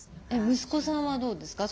息子さんはどうですか？